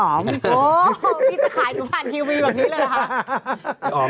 โอ้โฮมีสาขาอยู่ผ่านทีวีแบบนี้เลยหรือเปล่า